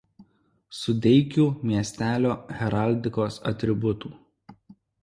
Sudeikių miestelio heraldikos atributų.